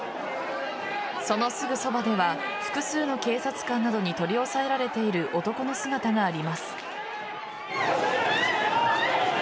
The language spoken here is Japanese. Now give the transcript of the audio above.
そのすぐそばでは複数の警察官などに取り押さえられている男の姿があります。